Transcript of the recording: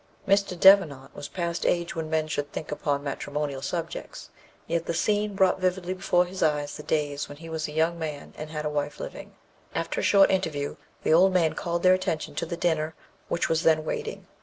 Mr. Devenant was past the age when men should think upon matrimonial subjects, yet the scene brought vividly before his eyes the days when he was a young man, and had a wife living. After a short interview, the old man called their attention to the dinner, which was then waiting.